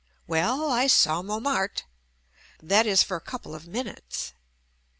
Well, I saw Montmartre — that is for a couple of minutes.